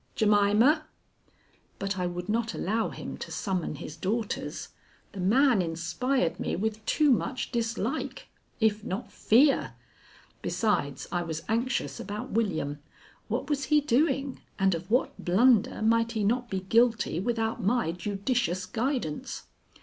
Jemima!" But I would not allow him to summon his daughters. The man inspired me with too much dislike, if not fear; besides, I was anxious about William. What was he doing, and of what blunder might he not be guilty without my judicious guidance?